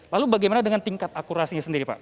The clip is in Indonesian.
lalu bagaimana dengan tingkat akurasinya sendiri pak